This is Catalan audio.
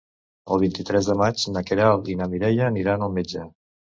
El vint-i-tres de maig na Queralt i na Mireia aniran al metge.